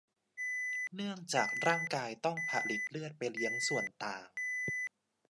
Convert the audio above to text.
เนื่องจากร่างกายต้องผลิตเลือดไปเลี้ยงส่วนต่าง